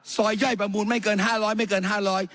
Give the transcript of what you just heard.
ซอยย่อยประมูลไม่เกินห้าร้อยไม่เกินห้าร้อย